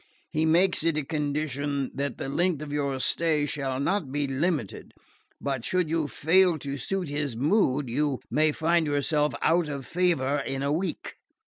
He makes it a condition that the length of your stay shall not be limited; but should you fail to suit his mood you may find yourself out of favour in a week.